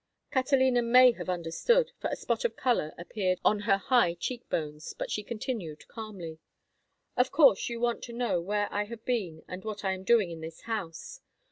Catalina may have understood, for a spot of color appeared on her high cheek bones, but she continued, calmly: "Of course you want to know where I have been and what I am doing in this house.